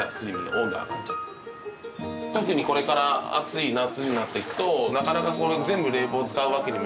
特にこれから暑い夏になっていくとなかなか全部冷房使うわけにはいかないんで。